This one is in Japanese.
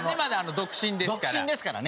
独身ですからね。